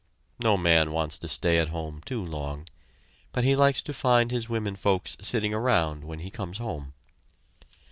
No man wants to stay at home too long, but he likes to find his women folks sitting around when he comes home.